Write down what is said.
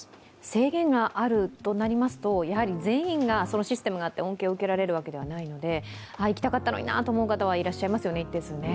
制限があるとなりますと、全員がそのシステムがあって恩恵を受けられるわけではないので、行きたかったなという方は一定数いらっしゃいますよね。